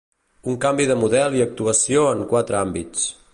Un canvi de model i actuació en quatre àmbits.